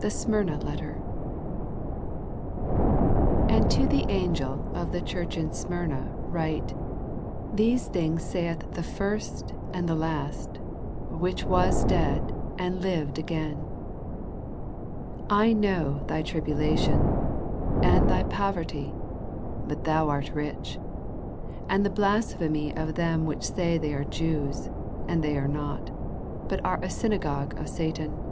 THE SMYRNA LETTER *' And to the angel of the church in Smyrna write: These things saith the first and the last, which was dead, and lived again : I know thy tribulation, and thy poverty (but thou art rich), and the blas phemy of them which say they are Jews, and they are not, but are a synagogue of Satan.